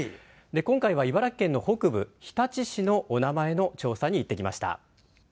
今回は茨城県の北部、日立市のお名前の調査に行ってきました。